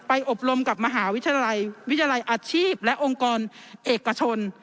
อบรมกับมหาวิทยาลัยวิทยาลัยอาชีพและองค์กรเอกชน